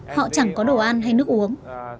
họ chẳng có đồ ăn hay nước uống